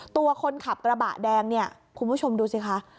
ตัวคนขับกระบะแดงเนี่ยคุณผู้ชมดูสิคะ